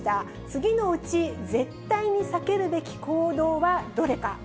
次のうち、絶対に避けるべき行動はどれか。